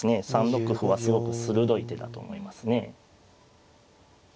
３六歩はすごく鋭い手だと思いますね。